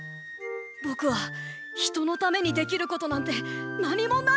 ぼくはひとのためにできることなんてなにもないんだ！